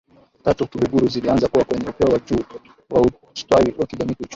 tatu za Kiluguru zilianza kuwa kwenye upeo wa juu wa ustawi wa kijamii kiuchumi